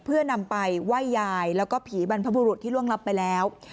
เพื่อนำไปไหว้ยายแล้วก็ผีบรรพบุรุษที่ล่วงรับไปแล้ว